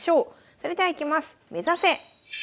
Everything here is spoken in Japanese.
それではいきます。